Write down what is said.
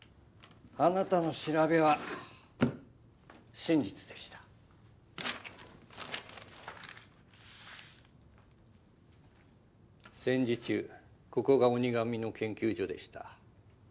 あなたの調べは真実でした戦時中ここが鬼噛の研究所でした